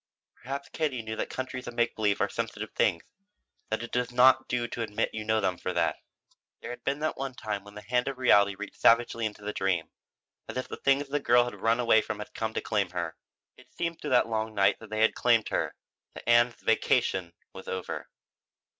Perhaps Katie knew that countries of make believe are sensitive things, that it does not do to admit you know them for that. There had been that one time when the hand of reality reached savagely into the dream, as if the things the girl had run away from had come to claim her. It seemed through that long night that they had claimed her, that Ann's "vacation" was over.